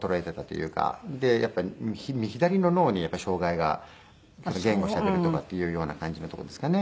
やっぱ左の脳に障がいが言語をしゃべるとかというような感じのとこですかね。